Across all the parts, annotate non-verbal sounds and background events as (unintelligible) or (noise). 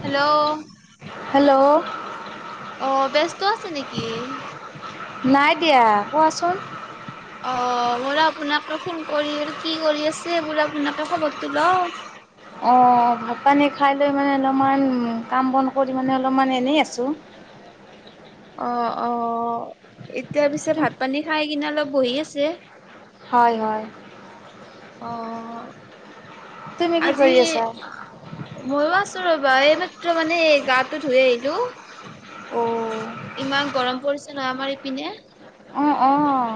Hello. Hello অ ব্যস্ত আছে নেকি নাই দিয়া কোৱাচোন। অঁ বুলো আপোনাকে ফোন কৰি কি কৰি আছে বোলে, আপোনাকে খবৰটো লওঁ। অঁ, ভাত, পানী খাই লৈ মানে অলপমান কাম বন কৰি মানে অলপমান এনেই আছোঁ। অ, অ, এতিয়া পিছে তুম ভাত পানী খাই কিনে অলপ বহি আছে। হয়, হয়। অহ তুমি '। কি আজি, কৰি আছা মইো আছো ৰবা। এইমাত্ৰ মানে গাটো ধুই আহিলো। অঁ ইমান গৰম পৰিছে নহয় আমাৰ এইপিনে অঁ, অঁ,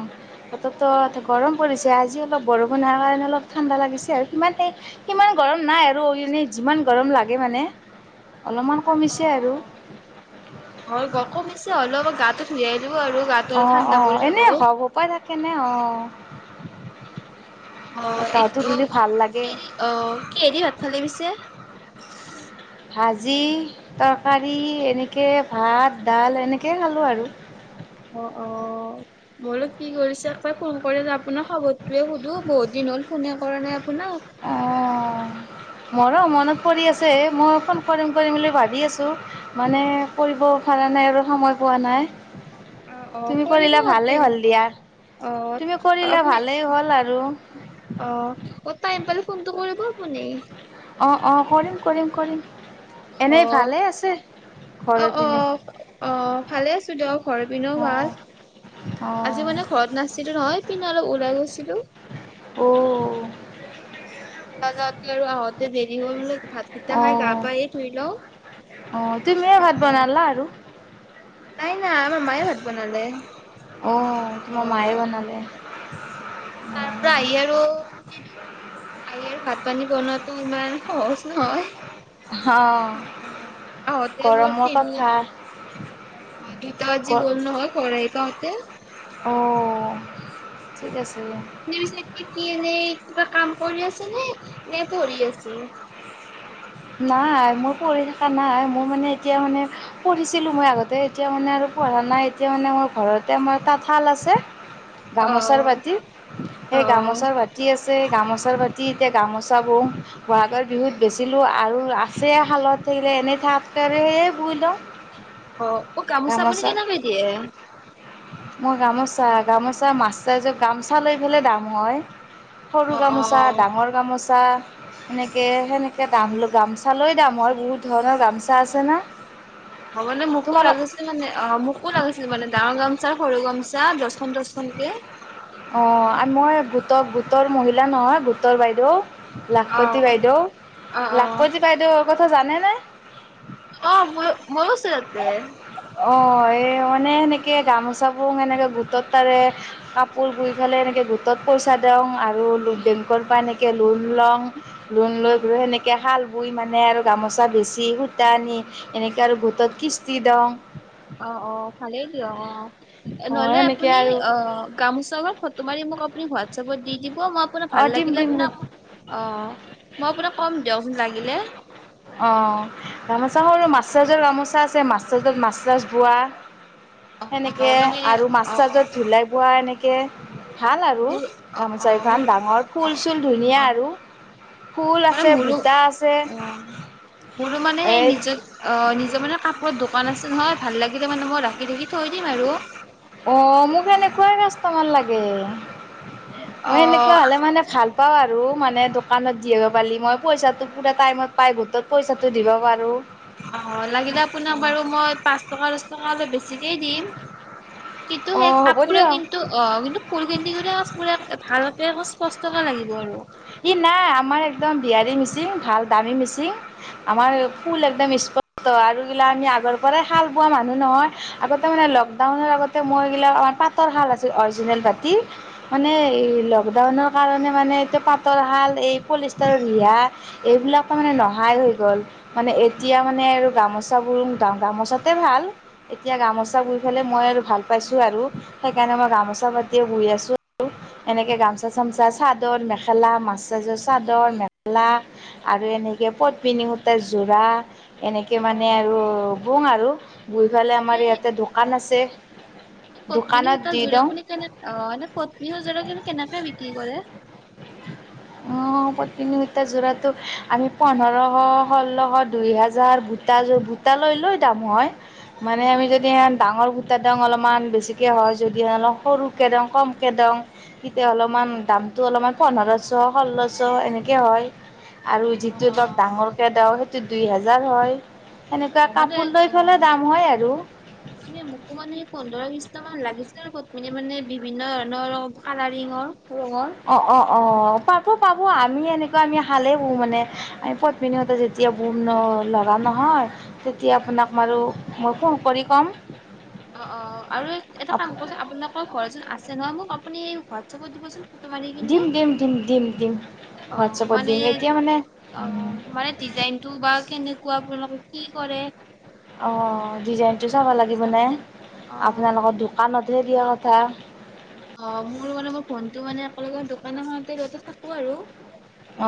অত ত গৰম পৰিছে। আজি অলপ বৰষুণ হোৱাৰ কাৰণে অলপ ঠাণ্ডা লাগিছে আৰু। সিমান সিমান গৰম নাই আৰু এনেই যিমান গৰম লাগে মানে। অলপমান অ কমিছে আৰু। কমি হ'লেও মই গাটো ধুইা আহিলোঁ অ, অ, এনেই হ উপপায় থাকে নে অ'। (inaudible) অ, এইটো এইৰি অ, কিহেদি ভাত ফালে পিছে? ভাজি তৰকাৰী এনেকৈ ভাত, ডাল এনেকৈ খালোঁ আৰু অ' অ' মই বোলো কি কৰিছে একবাৰ ফোন কৰি আপোনাৰ খবৰটোৱে সোধো। বহুত দিন হ'ল ফোনে কৰা নাই আপোনাক। অ', মোৰো মনত পৰি আছে মই ফোন কৰিম কৰিম বুলি ভাবি আছোঁ মানে কৰিব পৰা নাই আৰু সময় পোৱা নাই। অ' অ' তুমি কৰিব কৰিলা সিহঁতে ভালেই হ'ল দিয়া তুমি অ' কৰিলা আপুনি ভালেই হ'ল আৰু অ' অ' টাইম পালে ফোনটো কৰিব আপুনি? অ'অ' কৰিম- কৰিম -কৰিম। অ'- এনেই ভালেই আছে ঘৰৰ অ'- পিনে অ' ন আহ ভালে আছো দিয়ক। ঘৰ পিনেও অঁ ভাল অঁ আজি মানে ঘৰত নাছিলো নহয় এইপিনে অলপ ওলাই গৈছিলো। অ' নাযাৱ যদি আহত। দেৰি হ'ল বোলো ভাতকেইটা খায় অঁ গা-পা এই ধুই লওঁ। অঁ তুমিয়ে ভাত অ' বনালা আৰু নাই আমাৰ মায়ে ভাত বনালে। অঁ তোমাৰ মায়ে অ' বনালে তাৰ পৰা আহি আৰু দেৰি হয়। আহি আৰু ভাত পানী বনোৱাত ইমান সহজ অ' নহয়। আহোতে মোৰ গৰমৰ তিনি কথা অ দুটা গ বজি গ'ল নহয় ঘৰ আহি পাওঁতে। হে (inaudible) অ' ঠিক আছে দিয়া। (unintelligible) কিবা কাম কৰি আছে নে? নে পঢ়ি আছে? নাই মই পঢ়ি থাকা নাই মই মানে এতিয়া মানে পঢ়িছিলো মই আগতে এতিয়া মানে আৰু পঢ়া নাই এতিয়া মানে মই ঘৰতে আমাৰ তাঁতশাল আছে। অ গামোচাৰ বাতি, অ সেই গামোচাৰ বাতি আছে। গামোচাৰ বাতি এতিয়া গামোচ চাব বহাগৰ বিহুত বেচিলো আৰু আছে শালত থাকিলে এনেই ঠাক তে আৰু সেয়েই বুই লওঁ। অহ, অহ, গামোচা আপুনি কেনেকে দিয়ে? মই গামোচা, গামোচা মাচৰাজৰ গামচা লৈ পেলাই দাম হয়। সৰু অ অ অ গামোচা, ডাঙৰ গামোচা। সেনেকে, সেনেকে দাম গামচা লৈ দাম হয়, বহুত ধৰণৰ গামচা আছে না। অহ, মানে মোকো তোমালোক লাগিছিল মানে, অহ, মোকো লাগিছিল মানে দাম ঙৰ গামচাৰ সৰু গামচ চা দছখন দছখন কে। অহ, মই গোটক, গোটৰ মহিলা নহয় গোটৰ বাইদ' অ লাখপতি অ অ বাইদ' লাখপতি বাইদেউৰ আগত ত' জানে নে? অহ, ম ময়ো চেপতে অহ, এই মানে সেনেকে গামোচাবোৰ এনেকে গোটত তাৰে কাপ পোৰ বুই ফেলে এনেকৈ গোটত পইচা দিওঁ আৰু বেংকৰ পৰা এনেকৈ লোন লওঁ লোন লৈ পৈ সেনেকৈ হাল বই মানে আৰু গামোচা বেচি সূতা আনি এনেকৈ আৰু গোটত কিস্তি দেওঁ। অহ, অহ, ভালেই। কি অ' অ নহ'লে সেনেকে আপুনি আৰু অ', গামোচা গত ফটো মাৰি মোক আপুনি হোৱাত চবত দি দিব, মই আপোনাক অ ভাল দিম লাগিলে দিম দিম আপোনাক, অ'। মই আপোনাক ক'ম দিয়ক লাগিলে। অ গামোচা সৰু মাছচাজৰ গামোচা আছে মাছ চাজত-মাছ চাছ পোৱা। অ অ সেনেকে, মানে আৰু মাছ অ চাজত (unintelligible) এনেক কে ভাল আৰু মোৰ অ অ গামোচাকেইখন মোৰ ডাঙৰ, অ ফুল চুল ধুনীয়া অ আৰু, ফুল মানে আছে মোৰো বুটা আছে। অ মোৰো মানে সেই এই নিজৰ, অ', নিজৰ মানে কাপোৰৰ দোকান আছে নহয়, ভাল লাগিলে মানে মই ৰাখ (inaudible) অ', মোক সেনেকুৱাই কাষ্টমাৰ লাগ গে অ মই এনেকুৱা হ'লে মানে ভাল পাওঁ আৰু, মানে দোকানত যি হয় পালে মই পইচাটো পুৰা টাইমত পাই গোটত পইচাটো দিব পাৰোঁ। অ', লাগিলে আপোনাক বাৰু মই পাঁচ টকা দশ টকা অলপ বেছিকেই দিম। কিন্তু অ সেই হ'ব কাপোৰে দিয়ক কিন্তু অ', কিন্তু ফুল (unintelligible) ভালকৈ স্পষ্টকে লাগিব আৰু। ই নাই আমাৰ একদম বিহাৰী মেচিন ভাল দামী মেচিন আমাৰ ফুল একদম স্পষ্ট আৰু ইগিলা আমি আগৰ পৰাই শাল বোৱা মানুহ নহয় আগতে মানে লগ তাহুনৰ আগতে মৈ গিলাক আমাৰ পাতৰ হাল আছে অৰ্জিনেল ভাতি, মানে ই লোক দাউনত কাৰণে মানে এইটো পাতৰ হাল এই পলিষ্টাৰৰ ৰিহা এইবিলাকৰ মানে নহাই হৈ গ'ল মানে এতিয়া মানে আৰু গামোচাবোৰ, গামোচাতে ভাল এতিয়া গামোচাৰ বুলি সেফালে মই আৰু ভাল পাইছো আৰু সেইকাৰণে মই গামোচা পাতিয়ে শুই আছো আৰু এনেকে গামচা-চামচা চাদৰ মেখা খেলা মাচাজৰ চাদৰ, মেখেলা আৰু এনেকে পদ্মিনী সূতাৰ জোৰা এনেকে মানে আৰু বওঁ আৰু। দুইফালে আমাৰ এনেই ইয়াতে দু অ'। এ পদ্মিনী সূতা দি দিওঁ জোৰাবোৰ কেনেকে অহ এনে পদ্মিনী জোৰাবোৰ কেনেকে বিক্ৰী কৰে? অ' পদ্মিনী সূতা জোৰাটো আমি পোন্ধৰশ ষোল্লশ দুই হেজাৰ ভোটাযোৰ ভোটা লৈ লৈ দাম হয়। মানে আমি যদি সূটা দাম অলপমান বেছিকৈ হয় যদি অলপ সৰুকৈ দও, কমকৈ দওঁ, তেতিয়া অলপমান দামটো অলপমান পোন্ধৰশ ষোল্লশ এনেকৈ হয়। আৰু অ যিটো অ। ধক ডাঙৰকে দেও সেইটো দুই হেজাৰ হয়। এনেকুৱা অ মানে কাপোৰ লৈ অ পেলাই দাম হয় আৰু। মানে মোকো মানে পোন্ধৰ বিশটা মান লাগিছে পদ্মিনী মানে বিভিন্ন অন্য ৰঙ কালাৰিঙৰ ৰঙৰ। অ অ অ। পাব পাব আমি এনেকুৱা আমি সালেই বওঁ মানে, আমি পদ্মিনী সূতা যেতিয়া বম ন', লগাম নহয় তেতিয়া আপোনাক বাৰু মই ফোন কৰি কম। অ অ আৰু এটা কাম কৰচোন, আপোনালোকৰ ঘৰচোন আছে নহয় মোক আপুনি ঘৰত থ'ব দিবচোন। মাৰি কিনে, দিম দিম দিম দিম দিম অ' হোৱাটছএপত দিম মানে, এতিয়া মানে অ' মানে ডিজাইনটো বা কেনেকুৱা আপোনোলো কি কৰে? অহ'। ডিজাইনটো অ চাব সেইটো লাগিব নে, অ আপোনালোকৰ দোকানত ধেহ দিয়া কথা। অ' মোৰ মানে, মোৰ ফোনটো মানে আপোনালোকৰ দোকান এখনতে ৰ্ড থাকো আৰু।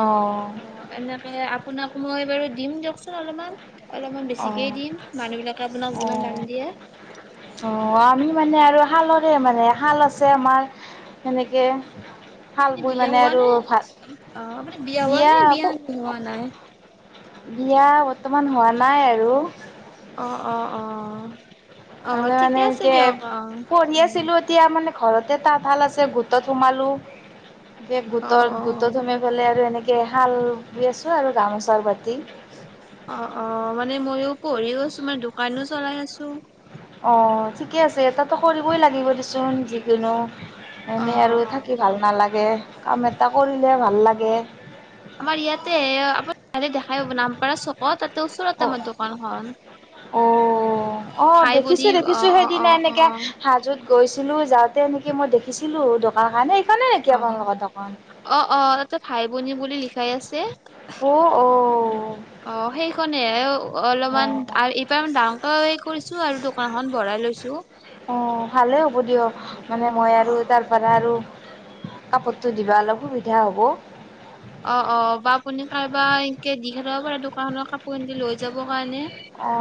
অঁ অ' এনেকে আ আপোনাক মই বাৰু দিম দিয়কচোন অলপমান। অলপমান বেছিকেই অ' দিম মানুহ বিলাকে আপোনাক যিমান দাম অ' দিয়ে অ' আমি মানে আৰু শালৰে মানে শাল আছে আমাৰ, সেনেকে শাল এনে বৈ বিয়া মানে হোৱা আৰু নাই ভাল অ' আপুনি বিয়া হোৱা নে বিয়া হোৱা নাই? বিয়া বৰ্তমান হোৱা নাই আৰু। অঁ অঁ অঁ আলো মানে এনকে পঢ়ি উম আছিলো এতিয়া মানে ঘৰতে তাঁতশাল আছে, গোটত সোমালো। এতিয়া অ গোটৰ অ গোটত সোমাই ফালে আৰু এনেকে কে হাল বিছো আছো আৰু গামোচাৰ বাতি অঁ অঁ মানে মইয়ো পঢ়িও আছো মানে দোকানো চলাই আছো অ' ঠিকে আছে এটাত (inaudible) ত কৰিবই লাগিব দেচোন যিকোনো অ এনেই আৰু অ থাকি ভাল নালাগে। কাম এটা কৰিলে ভাল লাগে। আমাৰ ইয়াতে আপত দেখাই হ'ব নামপাৰা চকত ত' অ ওচৰতে আমাৰ দোকানখন। অ অ খাই দেখিছো বৰি অঁ দেখিছো অঁ সেইদিনা অঁ অঁ এনেকে অঁ হাজোত গৈছিলো যাওঁতে এনেকে মই দেখিছিলো দোকান খানে সেইখনে নেকি অ আপোনালোকৰ অ অ তাতে ভাই বনী বুলি লিখাই আছে। অ', অ', অঁ সেইখনে অলপমান অ', আৰু ইবাৰ ডাঙৰ কৰিছো আৰু ফনা এখন ভৰাই লৈছোঁ। অ ভালে হ'ব দিয়ক। মানে মই অ আৰু তাৰপৰা আৰু কাপোৰটো দিবা অলপ সুবিধা হ'ব। অ অ বা আপুনি কাৰোবা এনকে দি খেলাব পাৰে দোকানত কাপোৰ কি লৈ যাব কাৰণে, অ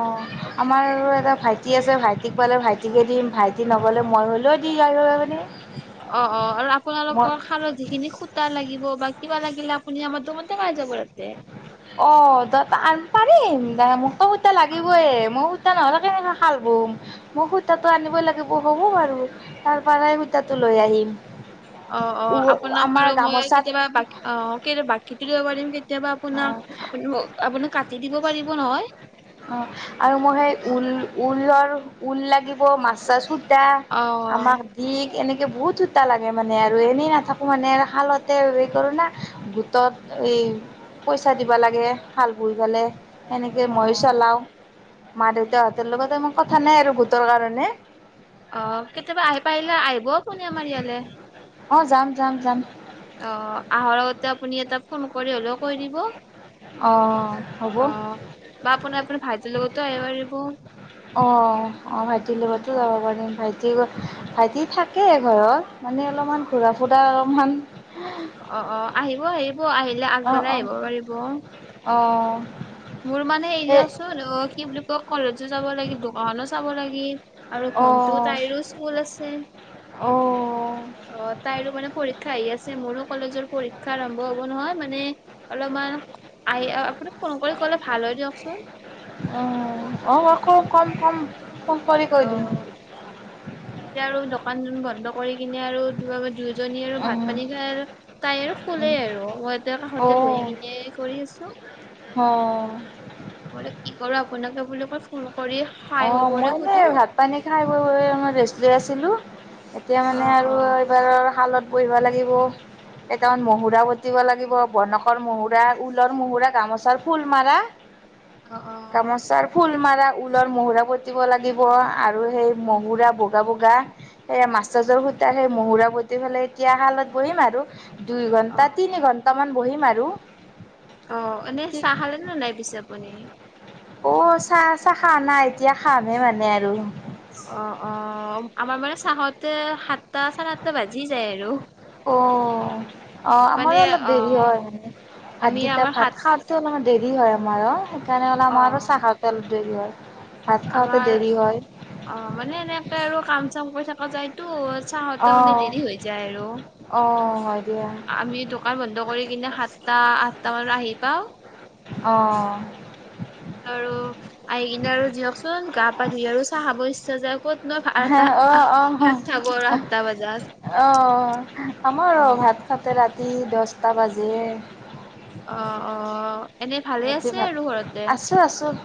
আমাৰ আৰু এটা ভাই ভাইটি আছে ভাইটিক পোৱালে ভাইটিকে দিম ভাইটি নগ'লে মই হ'লেও দি আহিব পাৰিম। অ অ আৰু আপোনালোকৰ হালধি খিনি খুতা লাগিব বা কিবা লাগিলে আপুনি আমাৰ দোকানত পায় যাব আতে অ দ আমি পাৰিম দে মোক অ সত অ লাগিবই মই সূতা নহ'লে কেনেকৈ খাল বহিম, মোক সূতাটো আনিবই লাগিব, হ'ব বাৰু তাৰ পৰাই সূতাটো লৈ আহিম। অ অ উ আপোনাক আমাৰ বাৰু মই, গামোচাত কেতিয়াবা অ বাকিত ও দিব পাৰিম। কেতিয়াবা অ', আপোনাক আপোনাৰ কাটি। দিব পাৰিব নহয়। অ' আৰু মই সেই ঊল ঊলৰ। ঊল লাগিব, মাচ ৰাছ সূতা লাগিব তা অ আমাৰ দিক এনেকে বহুত সূতা লাগে। মানে আৰু এনেই নাথাকো মানে, আৰু শালত ত' হেৰি কাৰনে গোটত এই পইচা দিবা লাগে শাল বৈ পিলে। এনেকেই অ মই চলাও। (unintelligible) মাৰ-দেউতাহঁতৰ লগত ইমান কথা নাই আৰু গোটৰ কাৰণে। অ' কেতিয়াবা আহিব পাৰিলে আহিব আপুনি আমাৰ ইয়ালৈ। অ' যাম যাম যাম। অ আহাৰ আগতে আপুনি এটা ফোন কৰি হ'লেওঁ কৈ দিব। অহ, হ'ব, বা আপোনাৰ আপোনাৰ ভাইটিৰ লগতো আহিব পাৰিব অ অহ, অহ, ভাইটিৰ লগটো যাব পাৰিম, ভাইটি টি অ', ভাইটি থাকে ঘৰত মানে, অলপমান ঘূৰা-ফুৰা অলপমান অ', অ', আহিব, আহিব ব' আহিলে, অ আগবেলাই আহিব পাৰিব। অ অ মোৰ মানে, এ এৰিয়াচোন অ', সি বুলি কক কলেজো যাব লাগিল, দোকানো চাব লাগিল। আৰু অ', ভন্টিও অ', তাইৰো স্কুল আছে, উম, অ', তাইৰো মানে পৰীক্ষা আহি আছে, মোৰো কলেজৰ পৰীক্ষা আৰম্ভ হ'ব নহয়, মানে অলপমান আই আপোনাক ফোন কৰি ভাল হয় দিয়কচোন। অ', আকৌ কম, কম ফোন কৰি কৈ দিম। অ', এতিয়া আৰু দোকানজন বন্ধ কৰি কিনে আৰু দুয়ো দুয়োজনী আৰু উম, ভাত পানী খাই আৰ তাই আৰু শুলে উম, আৰু আৰু মই এতিয়া অ', অ'। কাষতে বহি কিনে এই কৰি আছোঁ। বোলে কি কৰোঁ, আপোনাকে বোলো মই ফোন কৰি খাই অ', খবৰে মই এনে সোধো ভাত পানী খাই বৈ অলপ ৰেষ্ট লৈ আছিলোঁ। এতিয়া অ মানে আৰু অ এইবাৰ শালত বহিব লাগিব, কেইটামান মহুৰা বতিব লাগিব, বনকৰ মুহুৰা, ঊলৰ মুহুৰা, গামোচাৰ ফুল মাৰা অ অ গামোচাৰ ফুল মাৰা ফুলৰ মুহুৰা বতিব লাগিব আৰু সেই মুহুৰা বগা, বগা সেয় মাছৰাজৰ সূতা সেই মুহুৰা পতি ফেলাই এতিয়া শালত বহিম আৰু। দুই অ ঘণ্টা, তিনি ঘণ্টা মান বহিম আ বু অহ', এনে চাহ খালে নে নাই পিছে আপুনি? অহ', চাহ-চাহ খাৱা নাই এতিয়া খামেই মানে আৰু। অ অ আমাৰ মানে চাহতে হাত অহ', অহ, মানে আমাৰো অলপ অ দেৰি হয় আমি ভাতকিটা আমাৰ সাত ভাত খাওঁতে অলমান দেৰি হয় আমাৰ অহ। তেনেহ'লে অ আমাৰ আৰু চাহ খাতে দেৰি হয়। ভাত খাওঁতে দেৰি হয়। তে আৰু কাম-চাম কৰি থকা যায়টো অ চাহতে মানে দেৰি হৈ যায় আৰু, অ হয় দিয়া আমি দোকান বন্ধ কৰি কিনে সাত আঠটা-আঠটাত আৰু আহি পাওঁ অ আৰু আহি কিনে আৰু দিয়কচোন গা-পা ধুই আৰু চাহ খাব ইচ্ছা যায় ক'ত হে অহ-অহ-অহ, আঠটা বজাত অ আমাৰ অহ, ভাত খাতে ৰাতি ৰাতি দহটা বাজে। অহ', অহ। অহ। ৰাতি ভাত, আছোঁ আছোঁ।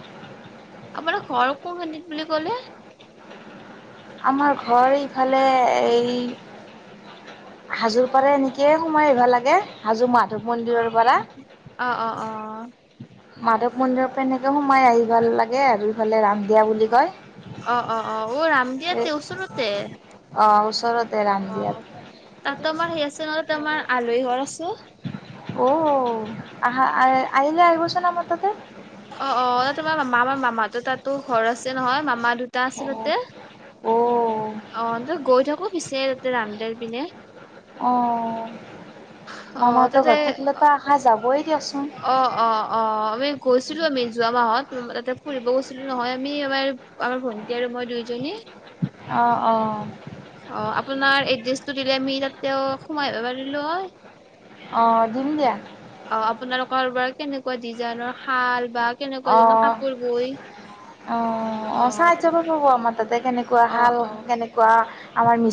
আপোনাৰ ঘৰ কোন খিন্তিত বুলি কলে? আমাৰ ঘৰ ইফালে এই হাজোৰ পাৰে এনেকেইে সোমাই আহিব লাগে হাজো মাক মন্দিৰৰ পৰা অ অ অ মাধৱ মন্দিৰৰ পৰা এনেকে সোমাই আহিব লাগে আৰু ইফালে ৰামদিয়া বুলি কয় অহ, অহ, অহ, অহ ৰামদিয়তে এই ওচৰতে অ', ওচৰতে অহ, ৰামদিয়াত তাতো আমাৰ সেই আছে তাতেও তোমাৰ আলহী ঘৰ আছে। অহ। আহা-আহ-আহিলে আহিবচোন আমাৰ ততে। অহ, অহ তোমাৰ মামা আমাৰ মামাতো তাতো ঘৰ আছে নহয় মামা দুটা আছে অ', তাতে অ', অহ, তই গৈ থাকো পিছে তাতে ৰামদিয়াৰ পিনে। অ', অহ, মামাহঁতৰ তাতে, ঘৰত থাকিলেতো আশা যাবই দিয়কচোন অহ, অহ, অহ আমি গৈছিলো আমি যোৱা মাহত তাতে ফুৰিব গৈছিলো। নহয়, আমি আমাৰ আমাৰ ভন্টি আৰু মই দুইজনী অহ' অহ' অহ' আপোনাৰ এড্ৰেছটো দিলে আমি তাতে সোমাই আহিব পাৰিলো হয়। অহ' দিম দিয়া। ঘৰ বাৰ কেনেকুৱা ডিজাইনৰ, শাল। বা কেনেকুৱা ধৰণৰ অ' কাপোৰ বৈ অ' অ' চাহ্য কব আমাৰ তাতে কেনেকুৱা অ', হাল অ'। কেনেকুৱা আমাৰ মিচ